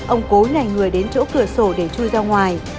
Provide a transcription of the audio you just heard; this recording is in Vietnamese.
ông cố nhảy người đến chỗ cửa sổ để chui ra ngoài